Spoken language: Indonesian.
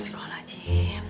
perlu ngomelin gitu